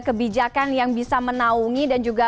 kebijakan yang bisa menaungi dan juga